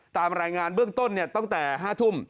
ตามรายงานเบื้องต้นตั้งแต่๕ทุ่ม